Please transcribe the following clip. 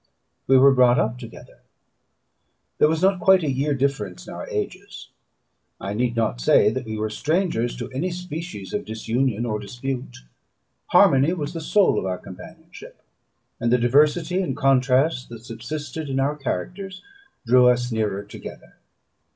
We were brought up together; there was not quite a year difference in our ages. I need not say that we were strangers to any species of disunion or dispute. Harmony was the soul of our companionship, and the diversity and contrast that subsisted in our characters drew us nearer together.